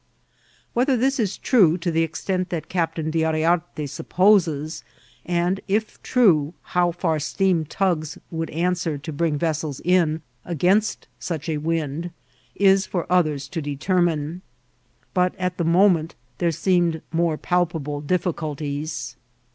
Whether this is tme to the extent that Captain D' Yriarte supposes, and if true, how £eur steam tugs would answer to bring vessels in against such a wind, is Ux others to determine. But at the moment th^e seemed more pal pable difficulties.